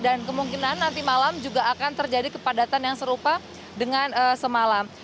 dan kemungkinan nanti malam juga akan terjadi kepadatan yang serupa dengan semalam